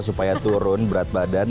supaya turun berat badan